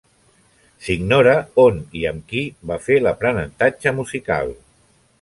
S'ignora on i amb qui va fer l'aprenentatge musical.